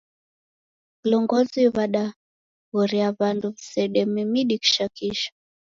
Vilongozi w'adaghoria w'andu w'isedeme midi kisha kisha